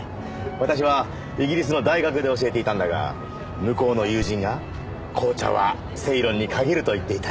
私はイギリスの大学で教えていたんだが向こうの友人が紅茶はセイロンに限ると言っていたよ。